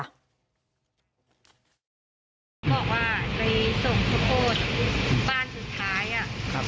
แก็แกร่งมากไม่มีว่าจะล้มจากอะไรเลย